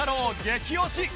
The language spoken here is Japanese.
激推し！